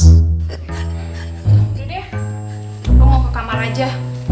udah deh gue mau ke kamar aja